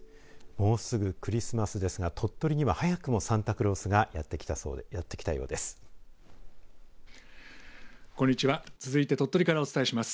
もうすぐクリスマスですが鳥取には早くもサンタクロースがやって来たようです。